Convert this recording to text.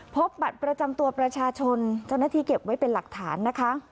พบบัตรประจำตัวประชาชนเจ้าหน้าที่เก็บไว้เป็นหลักฐานนะคะ